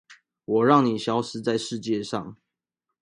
我讓你消失在世界上